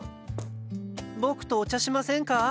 僕とお茶しませんか？